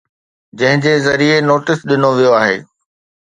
جنهن جي ذريعي نوٽيس ڏنو ويو آهي